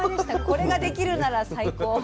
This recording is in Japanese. これができるなら最高。